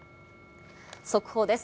速報です。